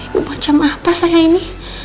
ini macam apa saya ini